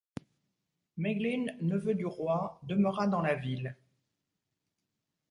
Maeglin, neveu du roi, demeura dans la ville.